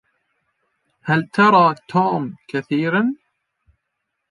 هل ترى توم كثيرا؟